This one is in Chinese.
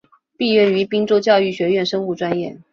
毕业于滨州教育学院生物专业。